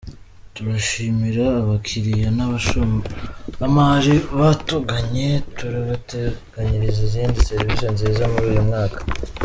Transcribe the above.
Turashimira abakiliya n’abashoramari batugannye, turabateganyiriza izindi serivisi nziza muri uyu mwaka.”